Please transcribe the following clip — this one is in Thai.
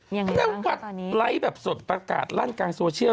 ยังไงบ้างครับตอนนี้คุณนวัดไลฟ์แบบสดประกาศล่านกลางโซเชียล